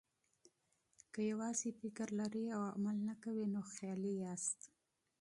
که یوازې فکر لرئ او عمل نه کوئ، نو خیالي یاست.